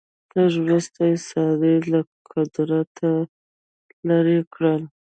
لږ وروسته یې صالح له قدرته لیرې کړ.